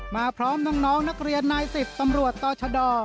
มาพร้อมน้องนักเรียนนายสิทธิ์ตำรวจต่อชะดอด